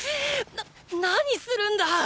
なっ何するんだ！